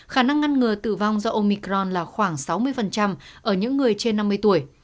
khả năng ngăn ngừa tử vong do omicron là khoảng sáu mươi ở những người trên năm mươi tuổi